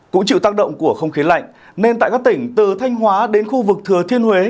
cũng chịu tác động của không khí lạnh nên tại các tỉnh từ thanh hóa đến khu vực thừa thiên huế